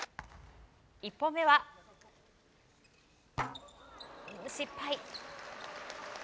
１本目は、失敗。